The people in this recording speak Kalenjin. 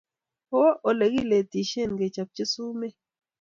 kowo ole kiletishe kechopchi sumek